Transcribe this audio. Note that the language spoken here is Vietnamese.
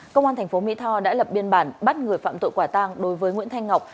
công an thành phố mỹ tho đã lập biên bản bắt người phạm tội quả tăng đối với nguyễn thanh ngọc